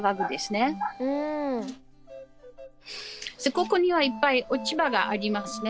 ここにはいっぱい落ち葉がありますね。